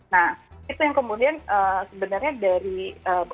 nah itu yang kemudian sebenarnya dari